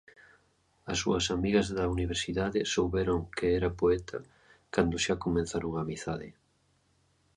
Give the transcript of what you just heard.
As súas amigas da Universidade souberon que era poeta cando xa comezaran a amizade.